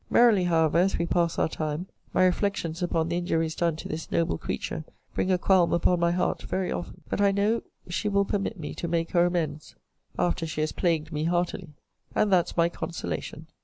Merrily, however, as we pass our time, my reflections upon the injuries done to this noble creature bring a qualm upon my heart very often. But I know she will permit me to make her amends, after she has plagued me heartily; and that's my consolation.